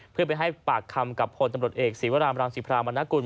เพื่อไปให้ปากคำกับพลตำรวจเอกศีวรามรังสิพรามณกุล